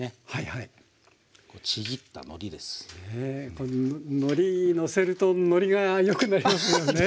こうのりのせるとのりが良くなりますよね。